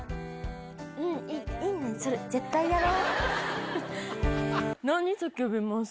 うん、いいね、それ絶対やろう。